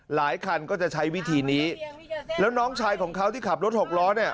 หลายคันก็จะใช้วิธีนี้แล้วน้องชายของเขาที่ขับรถหกล้อเนี่ย